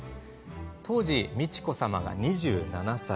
当時、美智子さまが２７歳。